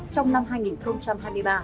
trong năm hai nghìn hai mươi ba